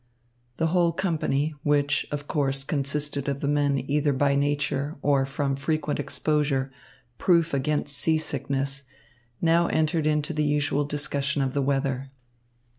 The whole company, which, of course consisted of the men either by nature or from frequent exposure proof against seasickness, now entered into the usual discussion of the weather.